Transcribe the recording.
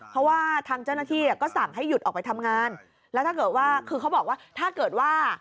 เพราะว่าทางเจ้าหน้าที่ก็สั่งให้หยุดออกไปทำงานแล้วถ้าเกิดว่าคือเขาบอกว่าถ้าเกิดว่า